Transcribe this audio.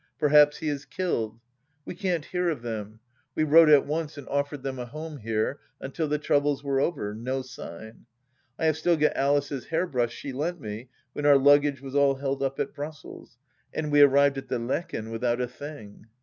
Perhaps he is killed ? We can't hear of them. We wrote at once and offered them a home here until the troubles were over. No sign ! I have still got Alice's hair brush she lent me when our luggage was all held up at Brussels and we arrived at the Laeken without a thing.